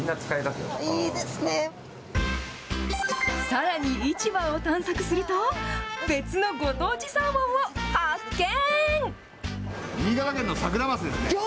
さらに市場を探索すると、別のご当地サーモンを発見。